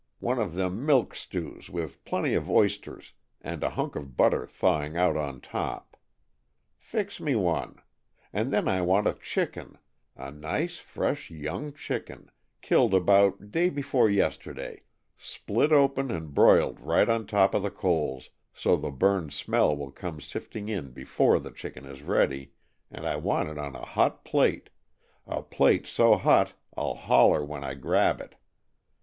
One of them milk stews, with plenty of oysters and a hunk of butter thawing out on top. Fix me one. And then I want a chicken a nice, fresh, young chicken, killed about day before yesterday split open and br'iled right on top of the coals, so the burned smell will come sifting in before the chicken is ready, and I want it on a hot plate a plate so hot I'll holler when I grab it.